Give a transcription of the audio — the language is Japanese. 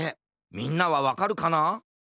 みんなはわかるかな？